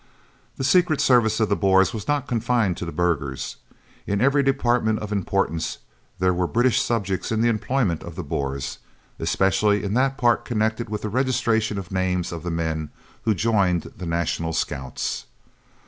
The Secret Service of the Boers was not confined to the burghers. In every department of importance there were British subjects in the employment of the Boers, especially in that part connected with the registration of names of the men who joined the National Scouts.